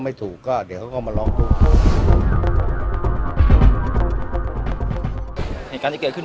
มีการที่จะพยายามติดศิลป์บ่นเจ้าพระงานนะครับ